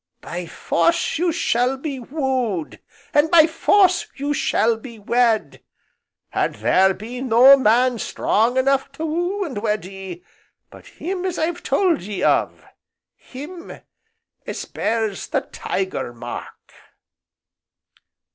By force you shall be wooed, and by force you shall be wed, and there be no man strong enough to woo, and wed ye, but him as I've told ye of him as bears the Tiger mark."